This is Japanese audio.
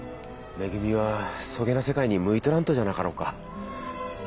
恵はそげな世界に向いとらんとじゃなかろうか？